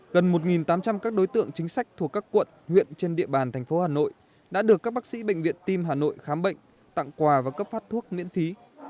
gần một tám trăm linh các đối tượng chính sách thuộc các quận huyện trên địa bàn thành phố hà nội đã được các bác sĩ bệnh viện tim hà nội khám bệnh tặng quà và cấp phát thuốc miễn phí